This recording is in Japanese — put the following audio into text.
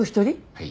はい。